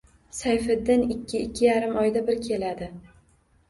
Sayfiddin ikki, ikki yarim oyda bir keladi